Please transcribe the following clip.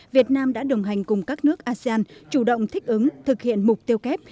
việt nam đã đồng hành cùng các nước asean chủ động thích ứng thực hiện mục tiêu kép